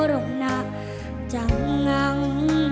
ร่วงหน้าจังงัง